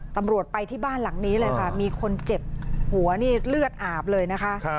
ตำรวจไปที่บ้านหลังนี้เลยค่ะมีคนเจ็บหัวนี่เลือดอาบเลยนะคะ